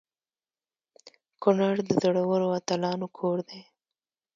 کنړ د زړورو اتلانو کور دی.